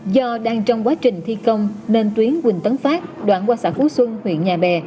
do đang trong quá trình thi công nên tuyến quỳnh tấn phát đoạn qua xã phú xuân huyện nhà bè